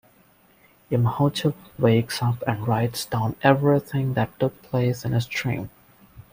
Imhotep wakes up and writes down everything that took place in his dream.